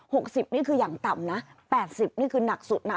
สิบนี่คืออย่างต่ำนะแปดสิบนี่คือหนักสุดนะ